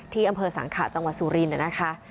ที่อำเภอสังขะจังหวัดสุรินทร์นะคะ